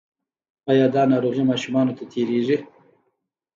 ایا دا ناروغي ماشومانو ته تیریږي؟